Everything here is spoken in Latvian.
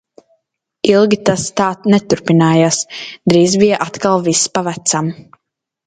Ilgi tas tā neturpinājās, drīz bija atkal viss pa vecam.